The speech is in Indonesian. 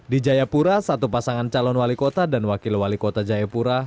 di jayapura satu pasangan calon wali kota dan wakil wali kota jayapura